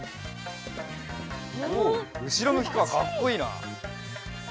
おおうしろむきかかっこいいな。